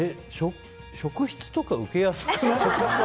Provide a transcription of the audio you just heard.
職質とか受けやすくない？